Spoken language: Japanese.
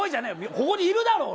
ここにいるだろ、俺。